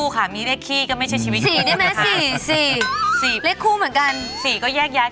ไม่มีเลยไม่มีค่ะ